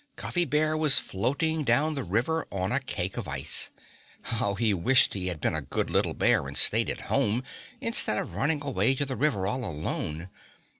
Cuffy Bear was floating down the river on a cake of ice! How he wished he had been a good little bear and stayed at home, instead of running away to the river all alone!